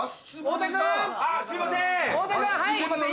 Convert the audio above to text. あぁすいません！